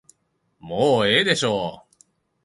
もうええでしょう。